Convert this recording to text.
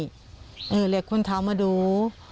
หรือเราลองคุณเท้ามาดู